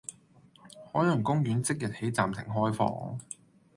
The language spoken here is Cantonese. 海洋公園即日起暫停開放